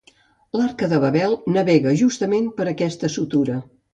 L'Arca de Babel navega justament per aquesta sutura.